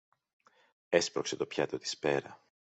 Έσπρωξε το πιάτο της πέρα